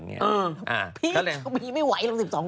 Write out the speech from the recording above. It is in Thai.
พี่ไม่ไหวละ๑๒คนบ้าง